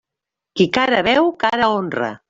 Qui cara veu, cara honra.